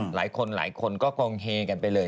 หลายคนหลายคนก็กองเฮกันไปเลย